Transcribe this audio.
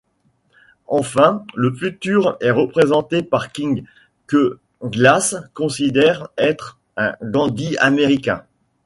Enfin, le futur est représenté par King, que Glass considère être un Gandhi américain.